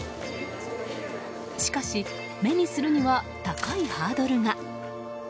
しかし、目にするには高いハードルが。